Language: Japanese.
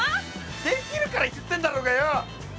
出来るから言ってんだろうがよ！